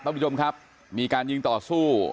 ทุกคนค่ะมีการยิงต่อสู้